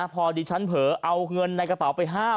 พอดีฉันเผลอเอาเงินในกระเป๋าไป๕๐๐